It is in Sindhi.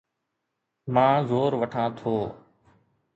مان زور وٺان ٿو